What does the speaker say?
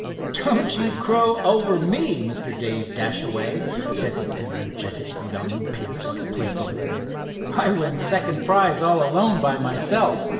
"Don't you crow over me, Mr. Dave Dashaway," said the energetic young Pierce, playfully. "I win second prize, all alone by myself.